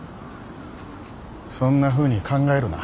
そんなふうに考えるな。